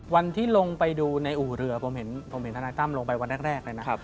วันที่ลงไปดูในอู่เรือผมเห็นทนายตั้มลงไปวันแรกเลยนะ